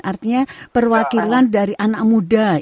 artinya perwakilan dari anak muda